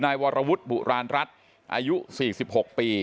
วรวุฒิบุราณรัฐอายุ๔๖ปี